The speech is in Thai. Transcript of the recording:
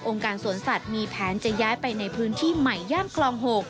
การสวนสัตว์มีแผนจะย้ายไปในพื้นที่ใหม่ย่านคลอง๖